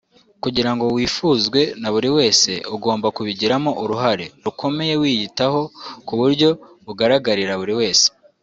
Kugirango wifuzwe naburiwese ugomba kubigiramo uruhare rukomeye wiyitaho ku buryo bugaragarira buri wese